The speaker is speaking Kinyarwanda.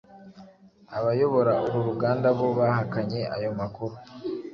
abayobora uru ruganda bo bahakanye ayo makuru